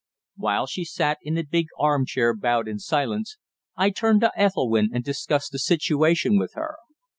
While she sat in a big armchair bowed in silence, I turned to Ethelwynn and discussed the situation with her.